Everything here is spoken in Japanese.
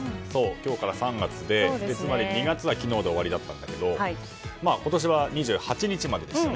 今日から３月でつまり、２月は昨日で終わりだったんだけれども今年は２８日まででしたね。